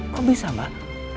kok bisa mbak